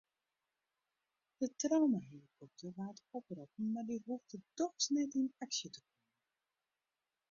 De traumahelikopter waard oproppen mar dy hoegde dochs net yn aksje te kommen.